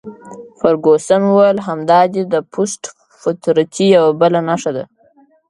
فرګوسن وویل: همدا دي د پست فطرتۍ یوه بله نښه ده.